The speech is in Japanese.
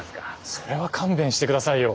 それは勘弁してくださいよ。